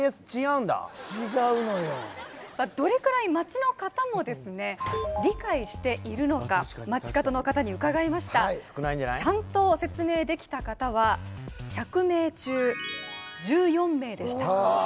どれくらい街の方もですね理解しているのか街角の方に伺いましたちゃんと説明できた方は１００名中１４名でした